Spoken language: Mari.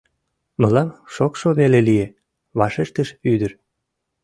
— Мылам шокшо веле лие, — вашештыш ӱдыр.